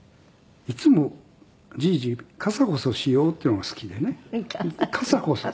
いつも「じいじカサコソしよう」っていうのが好きでねカサコソ。